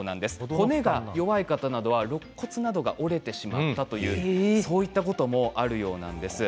骨が弱い方はろっ骨などが折れてしまったというそういったこともあるようなんです。